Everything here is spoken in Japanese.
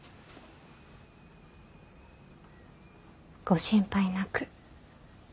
ご心配なく。